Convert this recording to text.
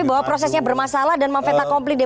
tapi bahwa prosesnya bermasalah dan memveta kompli